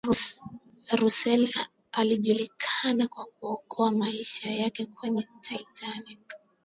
russell alijulikana kwa kuokoa maisha yake kwenye titanic